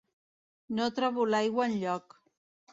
No trobo l'aigua enlloc.